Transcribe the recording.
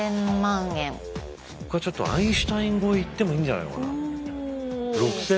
これちょっとアインシュタイン超えいってもいいんじゃないのかな。